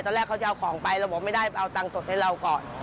แรกเขาจะเอาของไปเราบอกไม่ได้เอาตังค์สดให้เราก่อน